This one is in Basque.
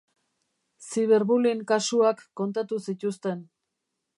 Ziberbullying kasuak kontatu zituzten.